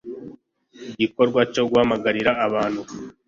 igikorwa cyo guhamagarira abantu